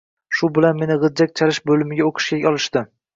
Shu bilan meni g’ijjak chalish bo’limiga o’qishga olishdi.